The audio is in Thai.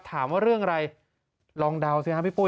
ถามว่าเรื่องอะไรลองเดาสิครับพี่ปุ้